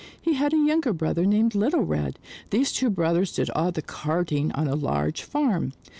He had a younger brother named Little Red. These two brothers did all the carting on a large farm.